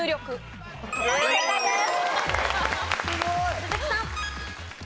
鈴木さん。